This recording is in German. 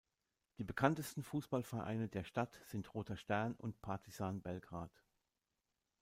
Die bekanntesten Fußballvereine der Stadt sind Roter Stern und Partizan Belgrad.